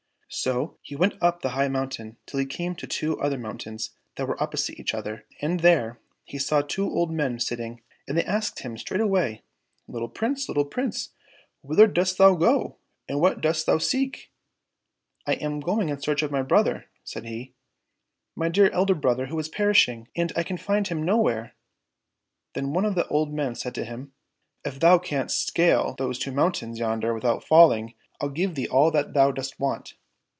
So he went up the high mountain till he came to two other mountains that were opposite each other, and there he saw two old men sitting, and they asked him straightway, " Little Prince ! little Prince ! whither dost thou go, and what dost thou seek }"—*' I am going in search of my brother," said he, " my dear elder brother who is perishing, and I can find him nowhere." — Then one of the old men said to him, " If thou canst scale those two mountains yonder without falling, I'll give thee all that thou dost want."